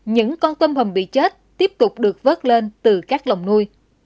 những con tôm hùm bị chết tiếp tục được vớt lên từ các lồng nuôi